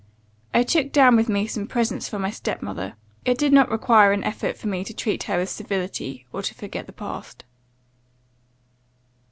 I took down with me some presents for my step mother; it did not require an effort for me to treat her with civility, or to forget the past.